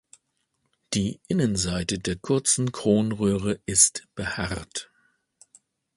Die Innenseite der kurzen Kronröhre ist behaart.